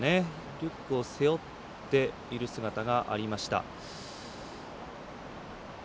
リュックを背負っている姿がありました。